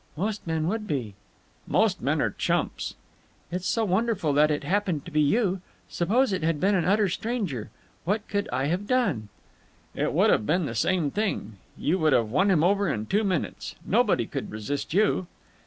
"Most men would be." "Most men are chumps." "It's so wonderful that it happened to be you. Suppose it had been an utter stranger! What could I have done?" "It would have been the same thing. You would have won him over in two minutes. Nobody could resist you."